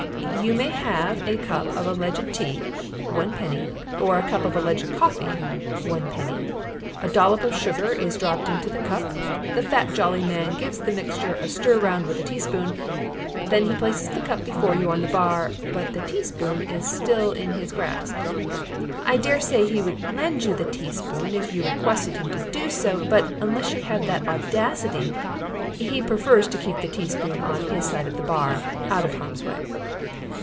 You may have a cup of alleged tea (one penny) or a cup of alleged coffee (one penny); a dollop of sugar is dropped into the cup; the fat, jolly man gives the mixture a stir round with a teaspoon; then he places the cup before you on the bar; but the teaspoon is still in his grasp. I dare say he would lend you the teaspoon if you requested him to do so; but unless you have that audacity he prefers to keep the teaspoon on his side of the bar, out of harm's way.